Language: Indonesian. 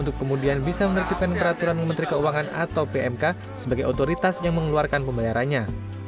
untuk kemudian bisa menertibkan peraturan menteri keuangan atau pmk sebagai otoritas yang mengeluarkan pembayarannya